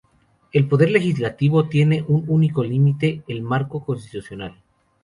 El poder legislativo tiene un único límite: el marco constitucional.